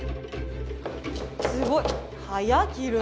すごい！